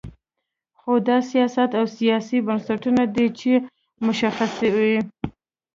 خو دا سیاست او سیاسي بنسټونه دي چې مشخصوي.